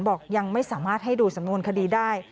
ยังไม่สามารถให้ดูสำนวนคดีได้